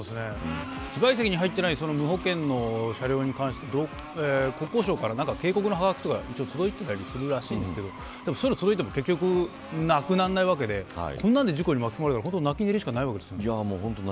自賠責に入っていない無保険の車両に関して国交省から警告のはがきとか届いてたりするらしいですけどそれでも結局なくならないわけで事故に巻き込まれたら泣き寝入りしかないですよね。